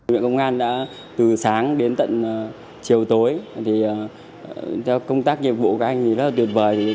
viện công an đã từ sáng đến tận chiều tối công tác nhiệm vụ của anh rất tuyệt vời